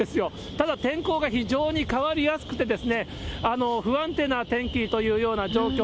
ただ、天候が非常に変わりやすくて、不安定な天気というような状況。